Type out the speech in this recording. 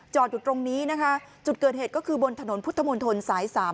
อยู่ตรงนี้นะคะจุดเกิดเหตุก็คือบนถนนพุทธมนตรสาย๓